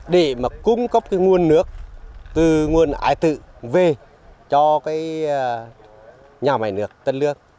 để mà cung cấp cái nguồn nước từ nguồn ái tử về cho cái nhà máy nước tân lương